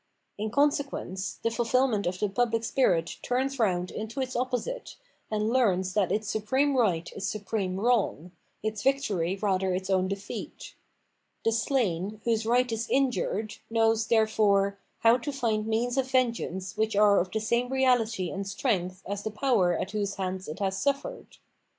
In consequence, the fulfilment of the pubUc spirit turns round into its opposite, and learns that its supreme right is supreme wrong, its victory rather its own defeat. The slain, whose right is injured, knows, therefore, how to find means of vengeance which are of the same reahty and strength as the power at whose hands it has suffered.